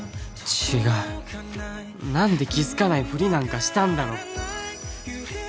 違う何で気づかないふりなんかしたんだろう